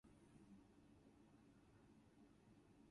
The Metropolitan Area of Lisbon was a semi-official structure.